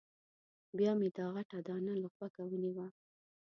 بیا مې دا غټه دانه له غوږه ونیوه.